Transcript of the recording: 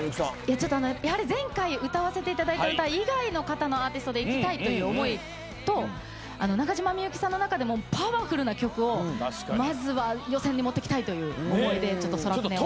やはり前回歌わせていただいた歌以外の方のアーティストでいきたいという思いと中島みゆきさんの中でもパワフルな曲をまずは予選に持ってきたいという思いで『宙船』を。